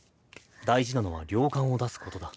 大事なのは量感を出すことだ。